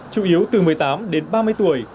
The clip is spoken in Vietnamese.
chủ yếu từ một mươi tám đến ba mươi tuổi